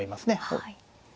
はい。